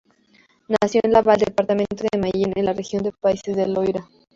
Nació en Laval, departamento de Mayenne, en la región de Países del Loira.